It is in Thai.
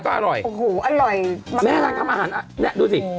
ก็อร่อยอรูหูอร่อยมันแม่แล้วทำอาหารน่ะเนี้ยดูสิ